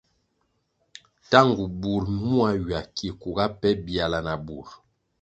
Tangu bur muá ywa ki kuga pe biala na bur.